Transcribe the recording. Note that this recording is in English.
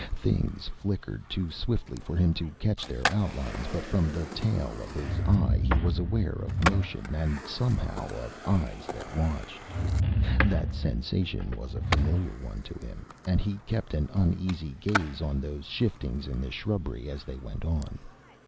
Things flickered too swiftly for him to catch their outlines, but from the tail of his eye he was aware of motion, and somehow of eyes that watched. That sensation was a familiar one to him, and he kept an uneasy gaze on those shiftings in the shrubbery as they went on.